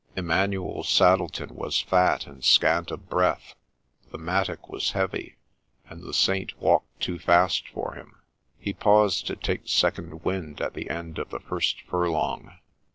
Emmanuel Saddleton was fat and scant of breath, the mattock was heavy, and the Saint walked too fast for him : he paused to take second wind at the end of the first furlong.